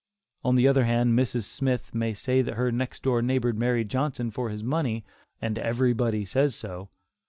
On the other hand, Mrs. Smith may say that her next door neighbor married Johnson for his money, and "everybody says so."